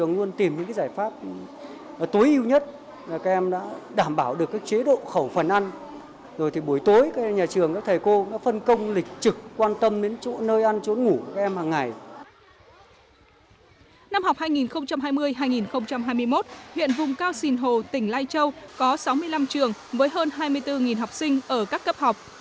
năm học hai nghìn hai mươi hai nghìn hai mươi một huyện vùng cao sinh hồ tỉnh lai châu có sáu mươi năm trường với hơn hai mươi bốn học sinh ở các cấp học